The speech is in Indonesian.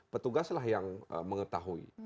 petugaslah yang mengetahui